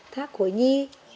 thác khuẩy nhi